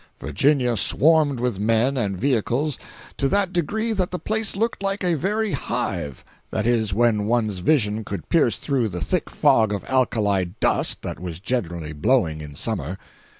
Virginia swarmed with men and vehicles to that degree that the place looked like a very hive—that is when one's vision could pierce through the thick fog of alkali dust that was generally blowing in summer.